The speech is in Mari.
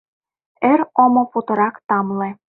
Эр омо путырак тамле.